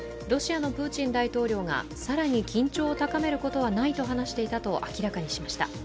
ロシアのプーチン大統領が更に緊張を高めることはないと話していたと明らかにしました。